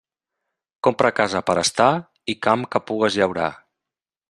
Compra casa per a estar i camp que pugues llaurar.